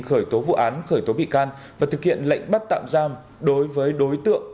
khởi tố vụ án khởi tố bị can và thực hiện lệnh bắt tạm giam đối với đối tượng